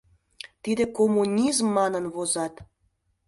Тиде «коммунизм» манын возат.